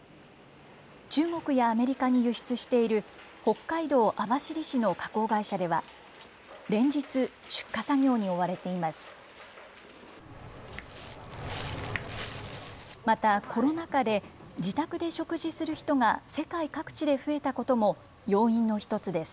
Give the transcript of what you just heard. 中国やアメリカに輸出している北海道網走市の加工会社では、連日、出荷作業に追われています。